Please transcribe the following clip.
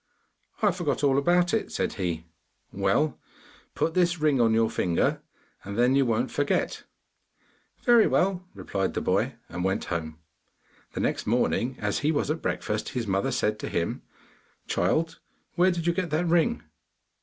'I forgot all about it,' said he. 'Well, put this ring on your finger, and then you won't forget.' 'Very well,' replied the boy, and went home. The next morning, as he was at breakfast, his mother said to him, 'Child, where did you get that ring?